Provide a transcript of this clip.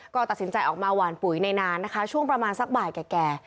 ก็ตัดสินใจออกมาหวานปุ๋ยในนานนะคะช่วงประมาณสักบ่ายแก่